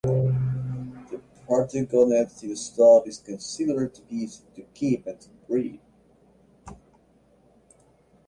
The parthenogenetic stock is considered to be easy to keep and to breed.